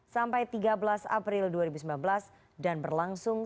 sampai tiga belas april dua ribu sembilan belas dan berlangsung